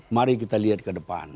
mari kita lihat ke depan